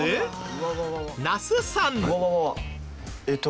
那須さん。